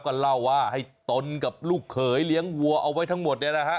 ก็เล่าว่าให้ตนกับลูกเขยเลี้ยงวัวเอาไว้ทั้งหมดเนี่ยนะฮะ